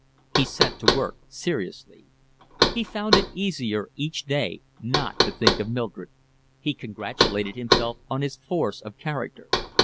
He set to work seriously. He found it easier each day not to think of Mildred. He congratulated himself on his force of character.